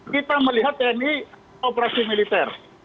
kita melihat tni operasi militer